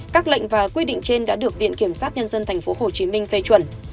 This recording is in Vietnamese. các lệnh và quy định trên đã được viện kiểm sát nhân dân tp hcm phê chuẩn